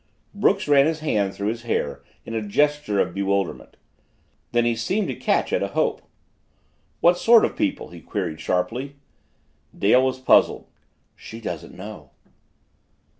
Brooks ran his hand through his hair in a gesture of bewilderment. Then he seemed to catch at a hope. "What sort of people?" he queried sharply. Dale was puzzled. "She doesn't know."